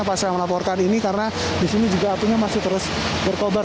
pas saya melaporkan ini karena di sini juga apinya masih terus berkobar